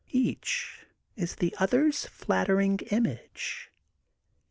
Each is the other's flattering image.